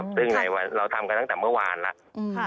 ซึ่งเราทำกันตั้งแต่เมื่อวานแล้ว